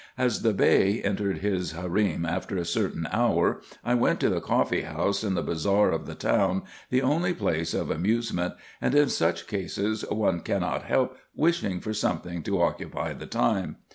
As the Bey entered his harem after a certain hour, I went to the coffee house in the bazar of the town, the only place of amusement, and in such cases one cannot help wishing for something to occupy the time.